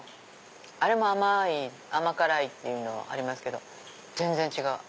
あれも甘辛いっていうのはありますけど全然違う！